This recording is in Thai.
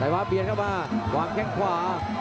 ใสฟ้าเปียนเข้ามาหวางแค่งขวา